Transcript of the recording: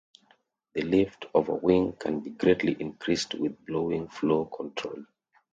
The lift of a wing can be greatly increased with blowing flow control.